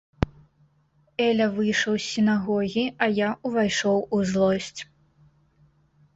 Эля выйшаў з сінагогі, а я ўвайшоў у злосць.